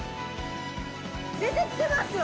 出てきてますよ！